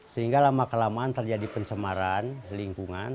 sehingga lama kelamaan terjadi pencemaran lingkungan